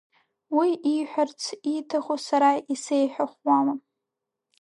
Уи ииҳәарц ииҭаху сара исеиҳәахуама.